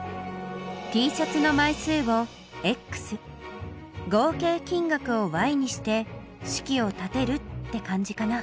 Ｔシャツの枚数を合計金額をにして式を立てるって感じかな。